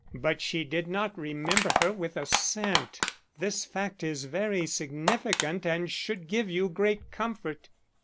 But she did not remember her with a cent. This fact is very significant and should give you great comfort."